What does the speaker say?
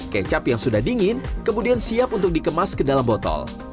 kecap yang sudah dingin kemudian siap untuk dikemas ke dalam botol